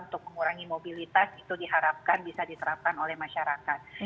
untuk mengurangi mobilitas itu diharapkan bisa diterapkan oleh masyarakat